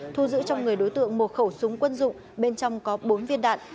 thu giữ trong người đối tượng một khẩu súng quân dụng bên trong có bốn viên đạn